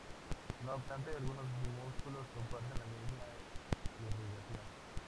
No obstante, algunos músculos comparten la misma irrigación.